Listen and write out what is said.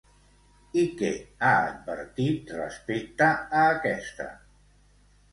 I què ha advertit respecte a aquesta?